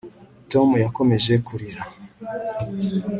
Tom yakomeje kurira